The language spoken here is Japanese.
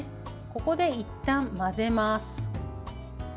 ここでいったん混ぜます。